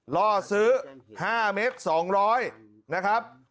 ล่อซื้อ๕เมตร๒๐๐นะครับ